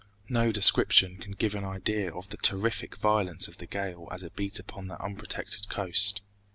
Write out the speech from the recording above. No description can give an idea of the terrific violence of the gale as it beat upon the unprotected coast.